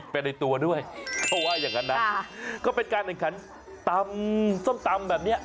ไปในตัวด้วยเขาว่าอย่างนั้นนะก็เป็นการแข่งขันตำส้มตำแบบเนี้ย